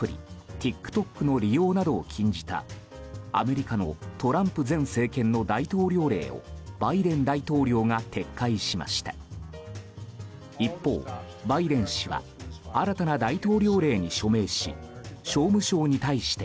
ＴｉｋＴｏｋの利用などを禁じたアメリカのトランプ前政権の大統領令をバイデン大統領が撤回しました。